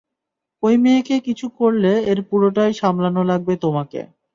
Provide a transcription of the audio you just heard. ঐ মেয়েকে কিছু করলে এর পুরোটাই সামলানো লাগবে তোমাকে।